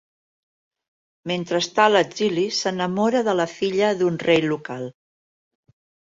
Mentre està a l'exili, s'enamora de la filla d'un rei local.